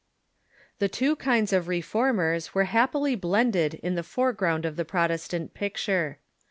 The two kinds of Reformers Avere happily blended in the foreground of the Protestant picture.